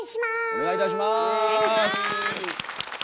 お願いいたします。